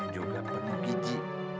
juga penuh gizi